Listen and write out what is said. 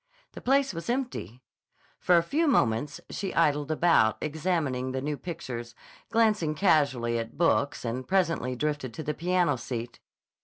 The place was empty. For a few moments she idled about, examining the new pictures, glancing casually at books, and presently drifted to the piano seat.